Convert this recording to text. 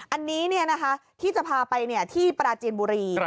อันนี้ที่จะพาไปที่ปราจีนบุรี